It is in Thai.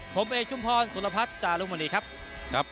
ผมเอกชุมพรสุรพัฒน์จารุมณีครับ